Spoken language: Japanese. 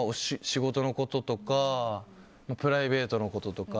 仕事のこととかプライベートのこととか。